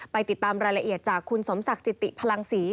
ติดตามรายละเอียดจากคุณสมศักดิ์จิติพลังศรี